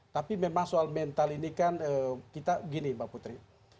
tapi memang soal mental ini kan kita gini mbak putri